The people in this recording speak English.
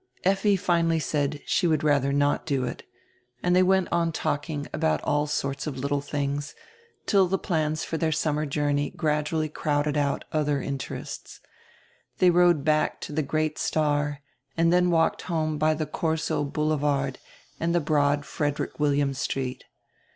Effi finally said she would rather not do it, and they went on talking about all sorts of little things, till die plans for their summer journey gradually crowded out odier inter ests. They rode back to die "Great Star" and dien walked home by die Korso Boulevard and die broad Frederick William Street.